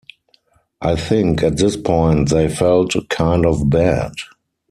I think at this point they felt kind of bad.